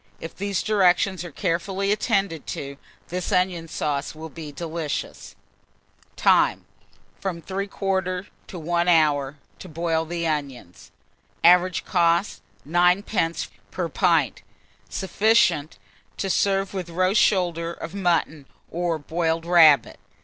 If these directions are carefully attended to, this onion sauce will be delicious. Time. From 3/4 to 1 hour, to boil the onions. Average cost, 9d. per pint. Sufficient to serve with a roast shoulder of mutton, or boiled rabbit.